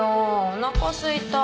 おなかすいた。